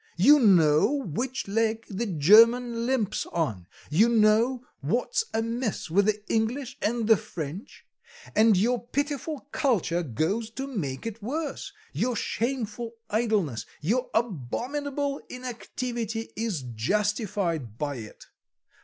You know which leg the German limps on, you know what's amiss with the English and the French, and your pitiful culture goes to make it worse, your shameful idleness, your abominable inactivity is justified by it.